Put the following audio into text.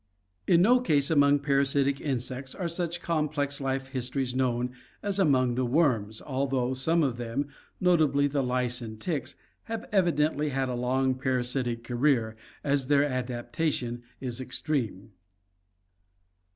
In no case among parasitic insects are such complex life histories known as among the worms, although some of them, notably the lice and ticks, have evidently had a long parasitic career, as their adaptation is extreme.